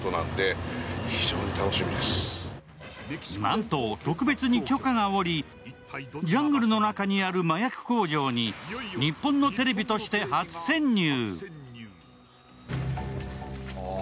なんと、特別に許可が下りジャングルの中にある麻薬工場に日本のテレビとして初潜入。